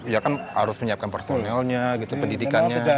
ya kan harus menyiapkan personelnya gitu pendidikannya